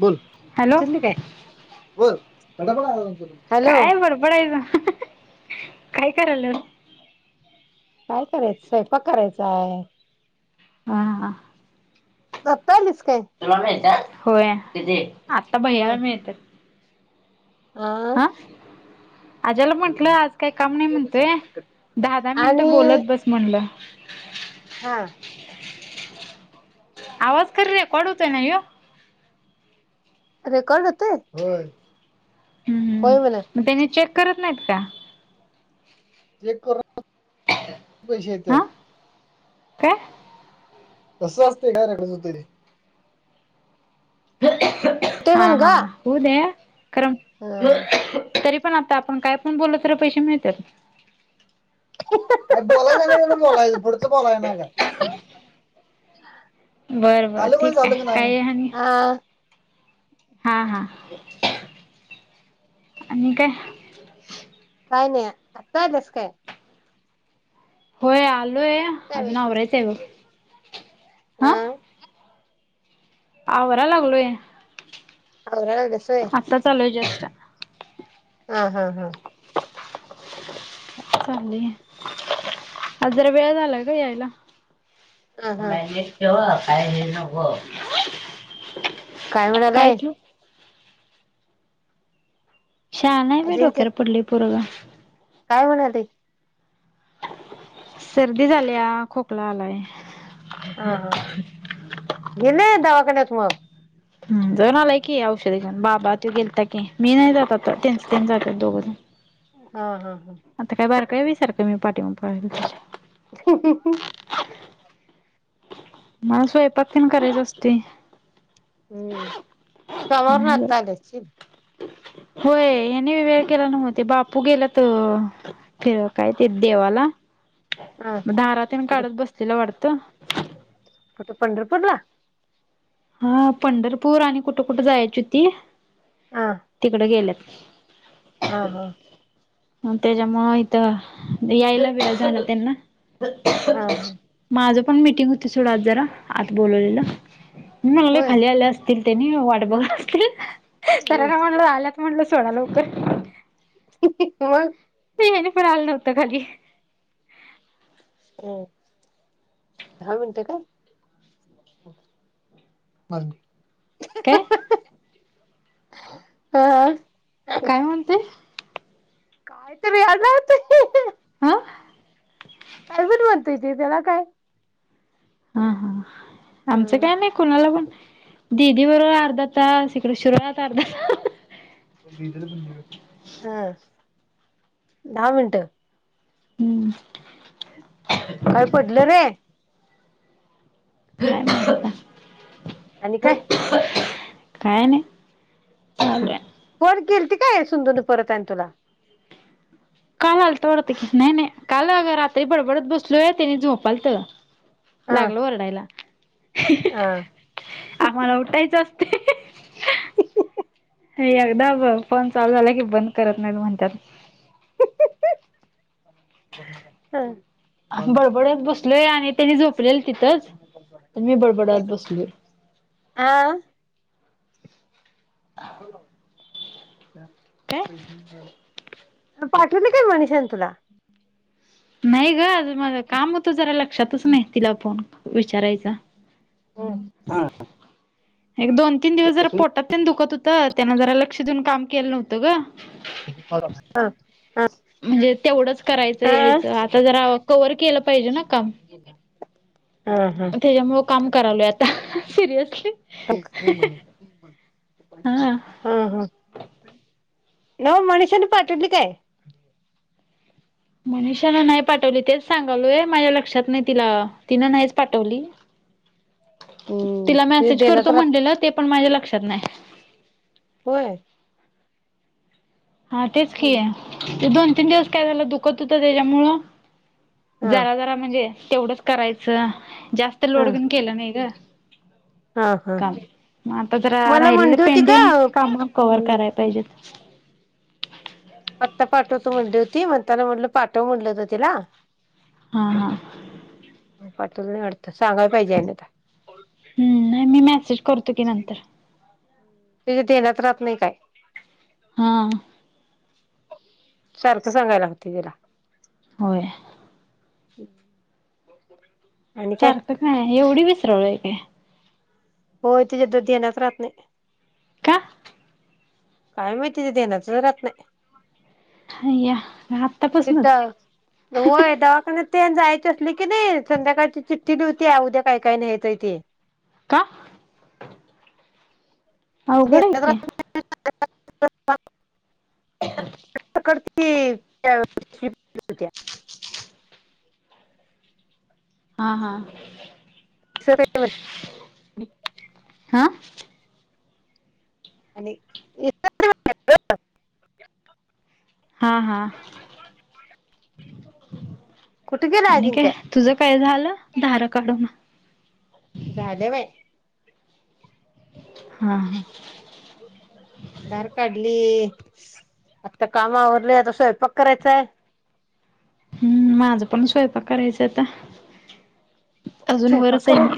बोल हॅलो उचलली काय बोल. [unintelligible] काय बडबडायचं काय करायल? काय करायचं स्वयंपाक करायचा आहे. हा हा. तू आता आलीस काय. तुला मिळत आहे होय किती आता हा भैय्याला मिळताये. हा. आज्याला म्हंटलं आज काही काम नाही म्हणतोये दहा दहा मिनिट आणि बोलत बस म्हणलं. हा. आवाज खर रेकॉर्ड होतोय ना यो. रेकॉर्ड होतोय होय हम्म होय म्हणे. मग त्याने चेक करत नाहीत काय? चेक कर हा काय? तसं असते [unintelligible] रे. ते हा म्हण ग हा हु दे करम तरी [unintelligible] पण आता आपण काय पण बोलल तर पैसे मिळत्यात. [unintelligible] बर बर ठीक आहे काई आणि हा हा हा आणि काय काय नाही आताय बस काय. होय आलोय अजून आवरायच हा आहे बघ. हा [unintelligible] आवरा लागलोय. आवरा लागलेस व्हय. आत्ता चालूये जस्ट. हा हा हा. ांली आ जरा वेळ झालाय का यायला. हा हा माहिच ठेव काय हे नको. काय म्हणालाय. श्याल नाहीय मी अजिंक्य डोक्यार पुर्ली पुरग काय म्हणाले. सर्दी झाली खोकला आलाय. हा हा गेले दावाखन्यात मग. ज आलाय की औषधी घऊन बाबा त गेले तर की मी नाही जातता त्यां त्यां जातात दोघंजण हा हा हा. आता काय बारं काय विसारखं मी पाठीमा [inaudible] मला सोयपात्तीन करायच असते. हम्म कमर नाही जात नतालशील. होय हने व वेळ केला नव्हते बापू गेला तर. फिर काय ते देवाला हा म धारातन कुठं काढत बसलेलं वाटत. हो त पंढरपूर ला. हा पंढरपूर आणि कुठं कुठं जायची होती हा तिकडं गेल्यात हा हा [inaudible] त्याच्या म इथ यायला वेळ झालं त्यांना ह हा. माझं पण मीटिंग होत सथोडं आज जरा आता बोलवलेलं. म्ह होय खाली आले असतील त्यांनी वाट बघ असतील तर हम्म ना म्हणलं आ म्हणलं सोणा लवकर. किती. नाही आहे फ हल नव्हता खाली अम दहा मिनटं काय? बरब काय हा हि हि. को म्हनतय? आयत र अत. हा. काय पण म्हणताय त त्याला काय. हा हा आमचं हं काय नाही कुणाला पण दिीदी बर अर्धा तास इकडे शरुवात अर्धा तास. हा दहा मिनट. हम्म. काय पडलं रे? काय माहित ह आता आणि काय? काय नाही. चालूय फोन केलती काय सिंधु न परत आणि तुला? काल आलता वाटतं की, नाही नाही काल अग रात्री बडबडत बसलो आहे तेनी झोपालत. हा लागल वरडायला. [inaudible] आम्हाला उठायचं असते. हे एकदा फोन चालू झाला की बंद करत नाही म्हणतात. ही ही ही. बडबड्त बसलोय आणि त्यांनी झोपलेलं तिथंच तर मी बडबडत बसलोय. आा. त्या काय पैश [unintelligible] पाठवले काय मनिषान तुला. नाही गं माझ काम होतं जरा, लक्षातच नाही तिला फोन विचारायचा. हं.. हा.. एक दोन तीन दिवस जरा पोटात तेन दुखत होतं त्यानं जरा लक्ष देऊन काम केलं नव्हतं ग. हा हा म्हणजे तेवढंच करायचं हा यायचं आता जरा. कवर केलं पाहिजे ना काम. हा. हा. तेच्यामुळं काम करालोय आता सिरियसली. [unintelligible] हा. नवं मनिषांन पाठवली काय? मनीषान नाही पाठवली तेच सांगालोय. माझ्या लक्षात नाही तिला तिनं नाहीच पाठवली. [inaudible] हम्म तिला ते मेसेज देण्यात करतो राहत म्हटलेलं ते, पण माझ्या लक्षात नाही. होय. हा तेच की, ते दोन तीन दिवस काय झालं दुखत होत तेच्यामुळं. हा जरा जरा म्हणजे तेवढंच करायचं, जास्त लोड हा घेऊन केलं नाही गं. हा हा काम मग आता जरा मला राहिलेल म्हणली होती का पेंढीग, काम कव्हर हम्म करायला पाहिजेत. पत्ता पाठवतो म्हणली होती, म्हणताना म्हणलं पाठव म्हणलो तिला. हा हा पाटवली नाही वाटत, सांगायला पाहिजे आता. हम्. नाही मी मेसेज करतो की नंतर. तिच्या धेण्यात राहत नाही काय. हां. सारख सांगायला लागतंय तिला. होय. हम्म [unintelligible] सारखं काय, एवढी विसराळू हाय काय? होय ‌. तिज्या धेन्यात राहत नाय. कां? काय माहिती तिचा ध्येनातच नाही राहतं. का या आत्तापासूनच तिथं, होय दवाखान्यात. ते आणि जायचे असली कणी, संध्याकाळची चिठ्ठी लिवत्या उद्या काय काय न्हायचाय ते. कां, धेनात राहतं नाही [unintelligible] [inaudible] कडती [unintelligible] हा.. हा.. हा [unintelligible] [unintelligible] हा.. हा... कुठे गेला आणि काय. अजिंक्य तुझं काय झालं, धारा काढून. झालं बाई. हा.. हा.. धार काढली. आता काम आवरल, आता स्वयंपाक करायचाय. हम्म.. माझ पण स्वयंपाक करायचा आता, अजून वरच आहे मी.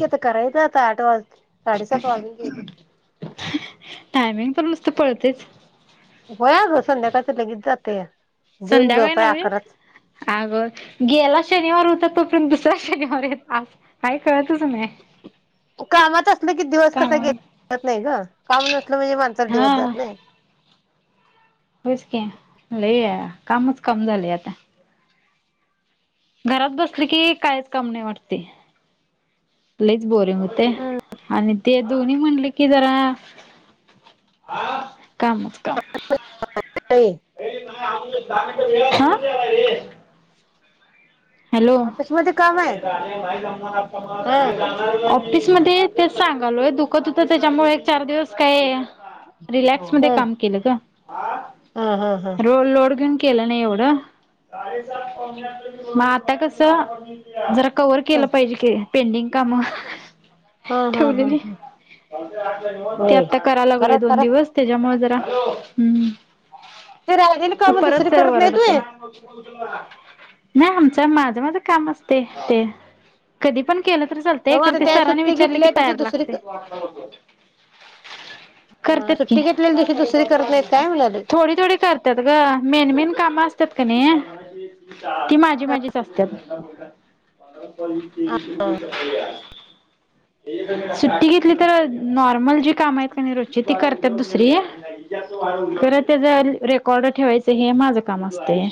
तिथं करायच आता आठ वाजले, साडेसात वाजून गेले. टायमिंग पण नुसत पळतयच. व्हयं अगं संध्याकाळच लगीच जातया. जेऊन संध्याकाळी झोप आहे नवे. अकराच अगं गेला शनिवार होता, तोपर्यंत दुसरा शनिवार येतो. काय कळतच नाही. कामात असलं की दिवस कसा कामा गेला ते कळत नाही गं काम नसलं म्हणजे माणसाला दिवस हा जात नाही होयच की लई कामच काम झालंय आता घरात बसलं की काहीच काम नाही वाटतंय लयच बोरिंग होतंय आणि ते दोन्ही म्हणलं कि जरा कामच काम हम्म हां हॅलो ऑफिस मध्ये काम आहे हा ऑफिस मध्ये तेच सांगालोय दुखत होत त्याच्यामुळे एक चार दिवस काय रिलॅक्स मध्ये काम केलं गं आह हा हा हा लोड लोड घेऊन केलं नाही एवढं मग आ आता कस जरा कवर हा केलं पाहिजे की पेंडिंग काम हा हा हा हा ठेवलेली ते होय आता करायला लागलोय करा दोन करा दिवस त्याच्यामुळे जरा हम्म ते राहिलेली काम परत दुसरी सर करत नाही वरडतय तुम्ही नाही आमच माझं माझं काम असतयं ते कधी पण केलं तरी चालतय नव्ह आता ते त्या सरांनी सुट्टी विचारलं की घेतल्या तशी तयार लागतंय दुसरी अ करत्यात की सुट्टी घेतलेल्या दिवशी दुसरी करत नाहीत काय म्हणाले थोडी थोडी कर त्यात गं मेन मेन काम असतात कणी ती माझी माझी असत्यात सुट्टी घेतली तर नॉर्मल जी काम आहेत कणी रोजची ती करतात दुसरी खरं त्याच रेकॉर्ड ठेवायचं हे माझं काम असतय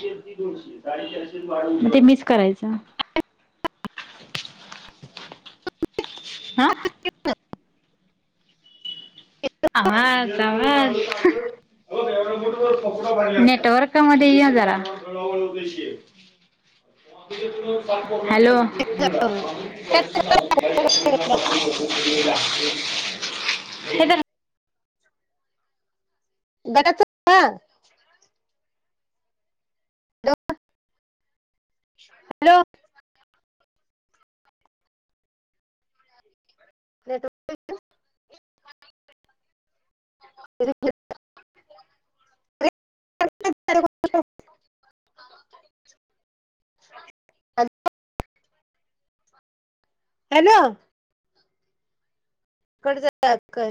मग ते मिच करायचं हा [inaudible] आवाज आवाज नेटवर्कमध्ये य जरा हॅलो हे धरा बड्याच पप्पा हॅलो! ! ! [unintelligible] हॅलो कट झाला काय गं